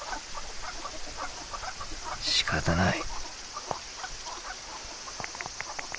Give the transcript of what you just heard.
しかたない。